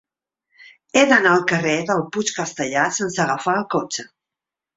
He d'anar al carrer del Puig Castellar sense agafar el cotxe.